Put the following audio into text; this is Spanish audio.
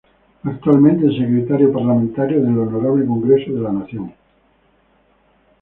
Actualmente es Secretario Parlamentario del Honorable Congreso de la Nación.